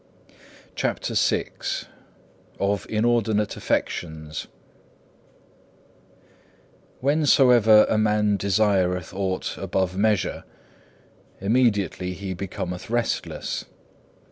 CHAPTER VI Of inordinate affections Whensoever a man desireth aught above measure, immediately he becometh restless.